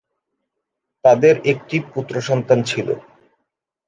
তাদের একটি পুত্রসন্তান ছিলঃ